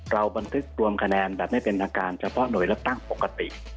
เราบันทึกรวมคะแนนไม่เป็นอาการเฉพาะไหนละตั้งปกติ